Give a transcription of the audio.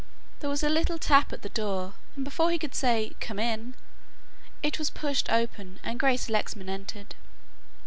There was a little tap at the door, and before he could say "Come in" it was pushed open and Grace Lexman entered.